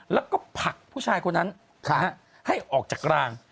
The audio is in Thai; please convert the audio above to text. แล้วก็ผลักผู้ชายคนนั้นให้ออกจากราง